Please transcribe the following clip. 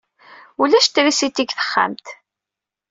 Ulac trisiti deg texxamt.